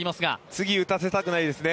次、打たせたくないですね。